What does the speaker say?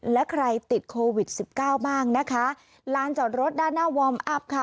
และใครติดโควิดสิบเก้าบ้างนะคะลานจอดรถด้านหน้าวอร์มอัพค่ะ